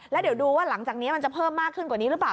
แล้วเดี๋ยวดูว่าหลังจากนี้มันจะเพิ่มมากขึ้นกว่านี้หรือเปล่า